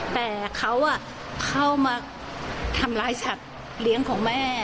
แต่เขาเข้ามาทำร้ายสัตว์เลี้ยงของแม่